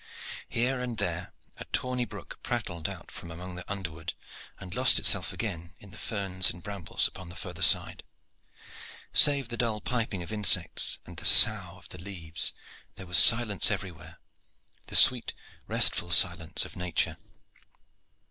Here and there a tawny brook prattled out from among the underwood and lost itself again in the ferns and brambles upon the further side. Save the dull piping of insects and the sough of the leaves, there was silence everywhere the sweet restful silence of nature.